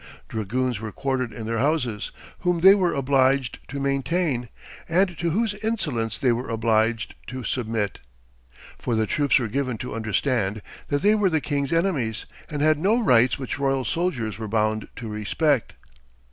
Dragoons were quartered in their houses, whom they were obliged to maintain, and to whose insolence they were obliged to submit, for the troops were given to understand that they were the king's enemies and had no rights which royal soldiers were bound to respect.